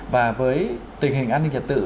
và với tình hình an ninh trật tự